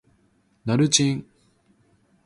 抽完拎去寄都抵